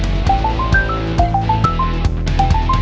sampai kapanpun gue akan pernah jauhin putri